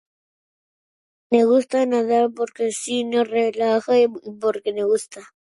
Me gusta nadar porque si me relaja y porque me gusta.